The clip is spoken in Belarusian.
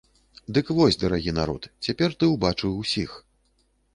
Дык вось, дарагі народ, цяпер ты ўбачыў усіх.